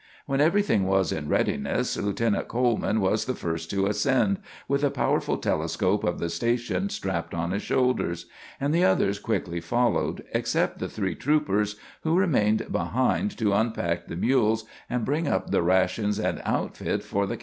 When everything was in readiness, Lieutenant Coleman was the first to ascend, with the powerful telescope of the station strapped on his shoulders; and the others quickly followed, except the three troopers who remained behind to unpack the mules and bring up the rations and outfit for the camp.